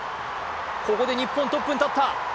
ここで日本トップに立った。